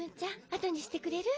あとにしてくれる？